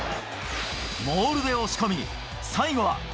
モールで押し込み、最後は。